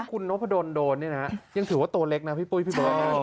คุณนพดนโดนนี่นะยังถือว่าตัวเล็กนะพี่ปุ๊ยพี่บอกอย่างนี้